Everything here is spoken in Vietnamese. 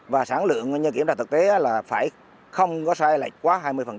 và sản lượng như kiểm tra thực tế là phải không có sai lệch quá hai mươi